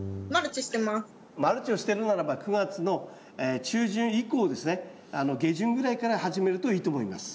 マルチをしてるならば９月の中旬以降ですね下旬ぐらいから始めるといいと思います。